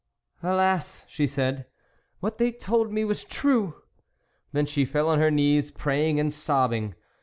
" Alas !" she said, " what they told me was true !" Then she fell on her knees, praying and sobbing.